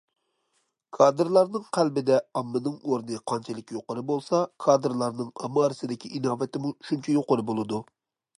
كادىرلارنىڭ قەلبىدە ئاممىنىڭ ئورنى قانچىلىك يۇقىرى بولسا، كادىرلارنىڭ ئامما ئارىسىدىكى ئىناۋىتىمۇ شۇنچە يۇقىرى بولىدۇ.